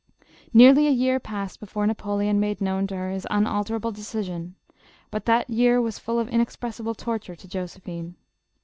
Nearly a year passed before Napoleon made known to her his unalterable decision, but that year was full of inexpressible torture to Josephine.